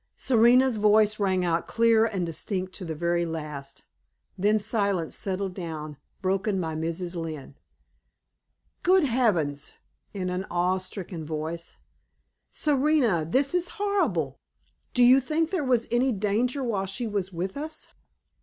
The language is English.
Serena's voice rang out clear and distinct to the very last. Then silence settled down, broken by Mrs. Lynne. "Good heavens!" in an awe stricken voice "Serena, this is horrible! Do you think there was any danger while she was with us?